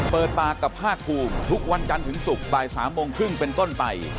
เปิดปากกับภาคภูมิทุกวันจันทร์ถึงศุกร์บ่าย๓โมงครึ่งเป็นต้นไป